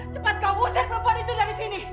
cepat kau usir perempuan itu dari sini